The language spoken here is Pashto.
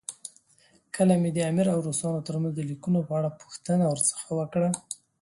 کله مې د امیر او روسانو ترمنځ د لیکونو په اړه پوښتنه ورڅخه وکړه.